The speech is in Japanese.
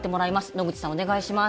野口さんお願いします。